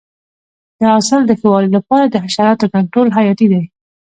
د حاصل د ښه والي لپاره د حشراتو کنټرول حیاتي دی.